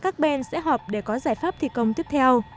nên sẽ họp để có giải pháp thi công tiếp theo